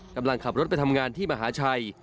กำลังขับรถไปทำงานที่มหาชัย